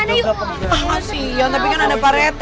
masih ya tapi kan ada parete